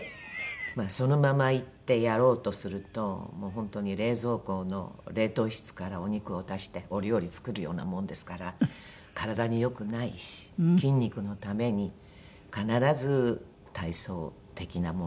まあそのまま行ってやろうとするともう本当に冷蔵庫の冷凍室からお肉を出してお料理作るようなもんですから体に良くないし筋肉のために必ず体操的なものは。